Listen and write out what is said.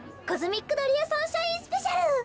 コズミックドリアサンシャインスペシャル！